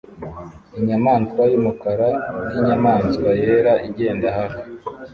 Inyamaswa yumukara ninyamaswa yera igenda hafi